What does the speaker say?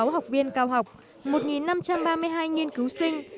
sáu hai trăm linh sáu học viên cao học một năm trăm ba mươi hai nghiên cứu sinh